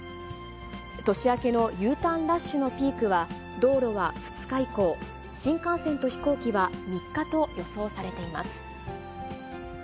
年明けのＵターンラッシュのピークは、道路は２日以降、新幹線と飛行機は３日と予想されています。